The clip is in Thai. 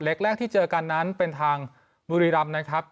แรกที่เจอกันนั้นเป็นทางบุรีรำนะครับ